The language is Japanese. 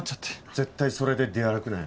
絶対それで出歩くなよ。